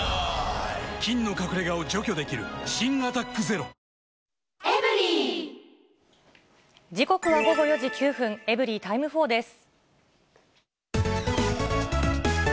菌の隠れ家を除去できる新「アタックＺＥＲＯ」時刻は午後４時９分、エブリィタイム４です。